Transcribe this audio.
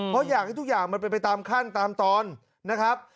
เพราะอยากให้ทุกอย่างมันเป็นไปตามขั้นตามตอนนะครับ